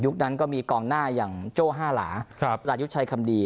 ยุคนั้นก็มีกองหน้าอย่างโจ้ห้าหลาครับราชยุดชัยคำดี